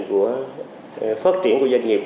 của phát triển của doanh nghiệp